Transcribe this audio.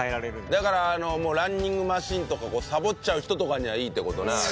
だからランニングマシーンとかサボっちゃう人とかにはいいって事ねあれは。